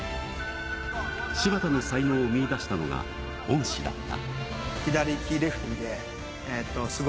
柴田の才能を見いだしたのが恩師だった。